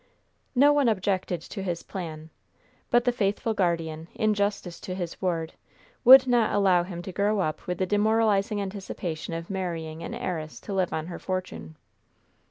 No one objected to his plan. But the faithful guardian, in justice to his ward, would not allow him to grow up with the demoralizing anticipation of marrying an heiress to live on her fortune.